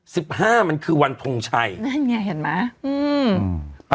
สิบห้ามันคือวันทงชัยนั่นไงเห็นไหมอืม